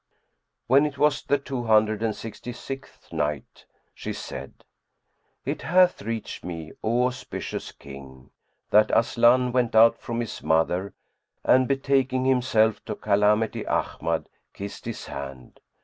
When it was the Two Hundred and Sixty sixth Night, She said, It hath reached me, O auspicious King, that Aslan went out from his mother and, betaking himself to Calamity Ahmad, kissed his hand.